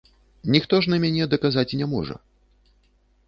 Ніхто ж на мяне даказаць не можа.